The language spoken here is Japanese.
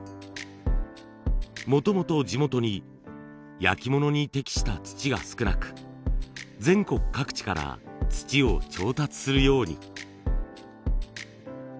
もともと地元に焼き物に適した土が少なく全国各地から土を調達するように。